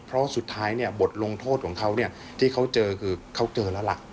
เพราะสุดท้ายเนี่ยบทลงโทษของเขาเนี่ยที่เขาเจอคือเขาเจอแล้วล่ะ